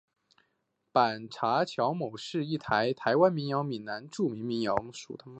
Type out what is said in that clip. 板桥查某是一首台湾闽南语民谣。